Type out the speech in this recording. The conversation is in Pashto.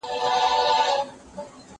زه به سبا د هنرونو تمرين وکړم!.